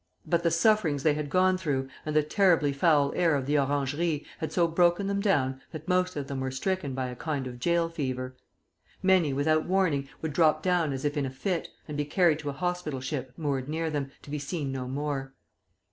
But the sufferings they had gone through, and the terribly foul air of the orangerie, had so broken them down that most of them were stricken by a kind of jail fever. Many, without warning, would drop down as if in a fit, and be carried to a hospital ship moored near them, to be seen no more.